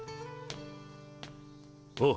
おう。